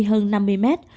hơn năm mươi mét